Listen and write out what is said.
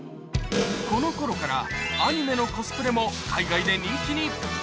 このころからアニメのコスプレも海外で人気に。